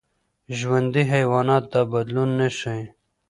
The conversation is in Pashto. ژوندي حیوانات دا بدلون نه ښيي.